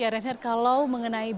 ya reinhardt kalau mengenai